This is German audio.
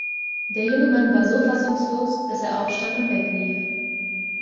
Der junge Mann war so fassungslos, dass er aufstand und weglief.